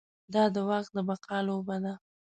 دا د واک د بقا لوبه ده.